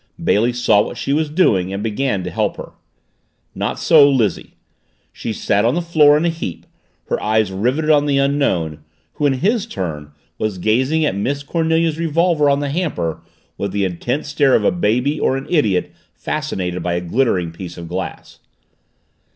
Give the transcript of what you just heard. Bailey saw what she was doing and began to help her. Not so Lizzie. She sat on the floor in a heap, her eyes riveted on the Unknown, who in his turn was gazing at Miss Cornelia's revolver on the hamper with the intent stare of a baby or an idiot fascinated by a glittering piece of glass.